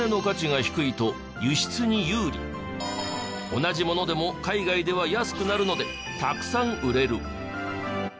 同じものでも海外では安くなるのでたくさん売れる。